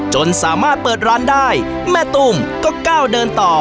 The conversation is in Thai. จนสามารถเปิดร้านได้แม่ตุ้มก็ก้าวเดินต่อ